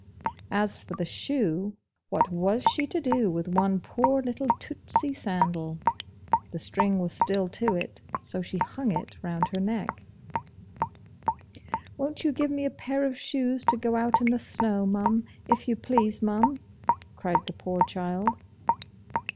As for the shoe, what was she to do with one poor little tootsey sandal? the string was still to it, so she hung it round her neck. 'Won't you give me a pair of shoes to go out in the snow, mum, if you please, mum?' cried the poor child.